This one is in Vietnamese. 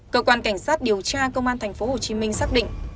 cơ quan cảnh sát điều tra công an tp hcm xác định